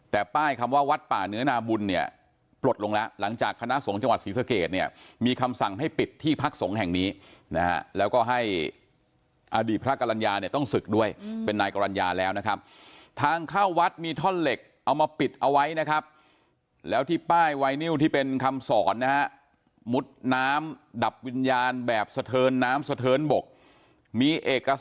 แต่เข้าไม่ได้ฮะเขาบอกติ๊ะคนนอกวันนี้เข้าไม่ได้